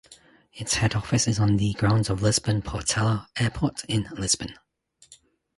Its head office is on the grounds of Lisbon Portela Airport in Lisbon.